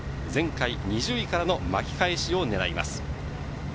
前回２０位からの巻き返しをねらいます。